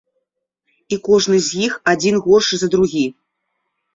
І кожны з іх адзін горшы за другі.